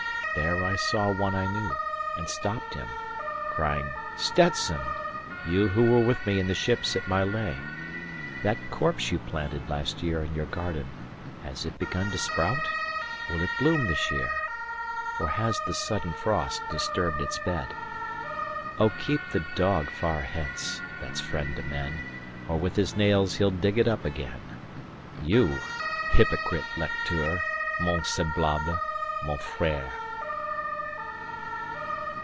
There I saw one I knew, and stopped him, crying "Stetson! You who were with me in the ships at Mylae! 70 That corpse you planted last year in your garden, Has it begun to sprout? Will it bloom this year? Or has the sudden frost disturbed its bed? Oh keep the Dog far hence, that's friend to men, Or with his nails he'll dig it up again! 75 You! hypocrite lecteur!—mon semblable,—mon frère!"